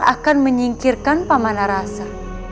akan menyingkirkan pamanah rasa